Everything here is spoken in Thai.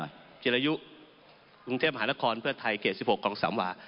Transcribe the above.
ท่านจิริยุจริงเทพฯหานครเพื่อไทยเกต๑๖ครองสำวา